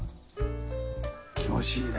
気持ちいいね。